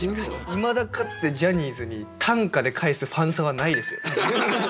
いまだかつてジャニーズに短歌で返すファンサはないですよ。